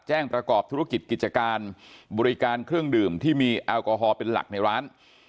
ประกอบธุรกิจกิจการบริการเครื่องดื่มที่มีแอลกอฮอลเป็นหลักในร้าน